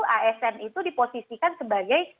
asn itu diposisikan sebagai